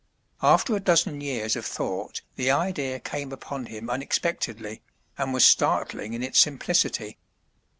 After a dozen years of thought the idea came upon him unexpectedly, and was startling in its simplicity.